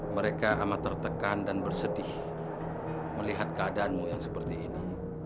mereka amat tertekan dan bersedih melihat keadaanmu yang seperti ini